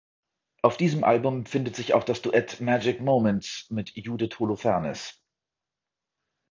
Auf diesem Album findet sich auch das Duett "Magic Moments" mit Judith Holofernes.